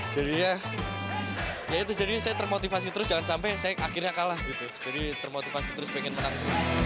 jadi saya termotivasi terus jangan sampai saya akhirnya kalah gitu jadi termotivasi terus pengen menang